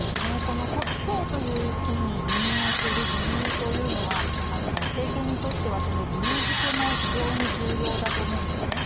今日という日に辞任をする理由というのは政権にとっては理由づけも非常に重要だと思うんですね。